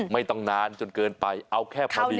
ไม่ต้องนานจนเกินไปเอาแค่พอดี